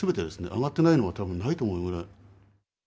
上がってないものはたぶんないと思うぐらい。